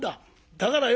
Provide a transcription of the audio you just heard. だからよ